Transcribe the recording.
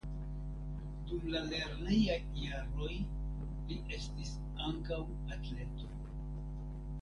Dum la lernejaj jaroj li estis ankaŭ atleto.